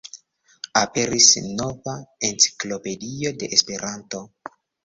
Aperis nova enciklopedio de Esperanto!